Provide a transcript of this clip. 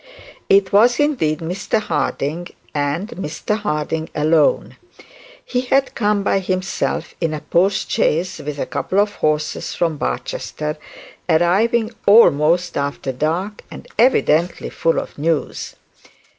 It was indeed Mr Harding, and Mr Harding alone. He had come by himself in a post chaise with a couple of horses from Barchester, arriving almost after dark, and evidently full of news.